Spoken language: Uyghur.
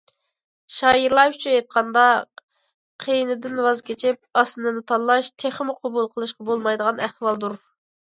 شائىرلار ئۈچۈن ئېيتقاندا‹‹ قىيىنىدىن ۋاز كېچىپ، ئاسىنىنى تاللاش›› تېخىمۇ قوبۇل قىلىشقا بولمايدىغان ئەھۋالدۇر.